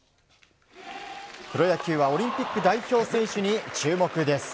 プロ野球はオリンピック代表選手に注目です。